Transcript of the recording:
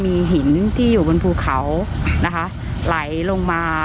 มีหินที่อยู่บนภูเขานะคะไหลลงมา